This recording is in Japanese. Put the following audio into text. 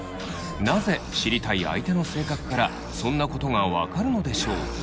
なぜ知りたい相手の性格からそんなことが分かるのでしょう。